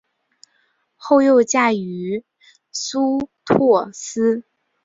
后又嫁予苏托斯。